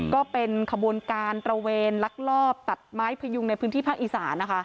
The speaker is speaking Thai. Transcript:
ก็เป็นขบวนการตระเวนลักลอบตัดไม้พยุงในพื้นที่ภาคอีสานนะคะ